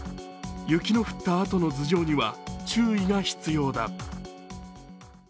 雪の降ったあとの頭上には注意が必要だ。